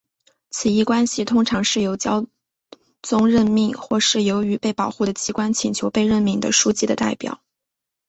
此一关系通常是由教宗任命或是由于被保护的机关请求被任命的枢机的代表。